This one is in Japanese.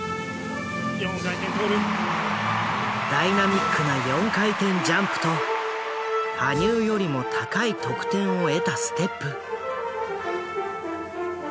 ダイナミックな４回転ジャンプと羽生よりも高い得点を得たステップ。